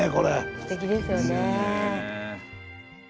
すてきですよね。